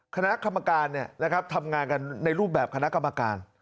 คณะคำการทำงานกันในรูปแบบคณะคำการ